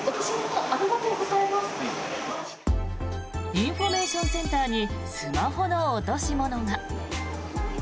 インフォメーションセンターにスマホの落とし物が。